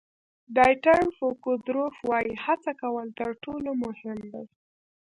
ډایټر فوکودروف وایي هڅه کول تر ټولو مهم دي.